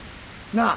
なあ？